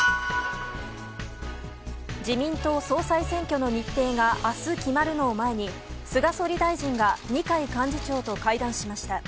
自民党総裁選挙の日程が明日決まるのを前に菅総理大臣が二階幹事長と会談しました。